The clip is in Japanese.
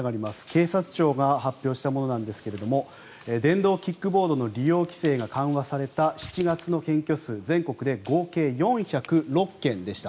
警察庁が発表したものなんですが電動キックボードの利用規制が緩和された７月の検挙数全国で合計４０６件でした。